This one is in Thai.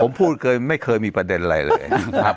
ผมพูดไม่เคยมีประเด็นอะไรเลย